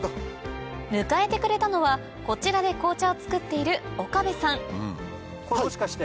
迎えてくれたのはこちらで紅茶を作っているこれもしかして。